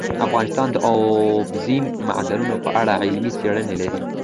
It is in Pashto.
افغانستان د اوبزین معدنونه په اړه علمي څېړنې لري.